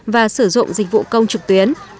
và sử dụng dịch vụ công trực tuyến